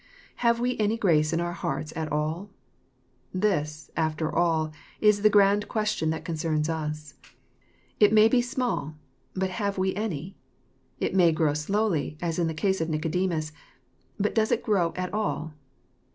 Have we any grace in our hearts at all ? This, after all, is the grand question that concerns us. It may be small, — ^but have we any ? It may grow slowly, as in the case of Nicodemus, — ^but does it grow at all?